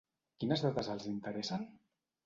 Quines dates els interessen?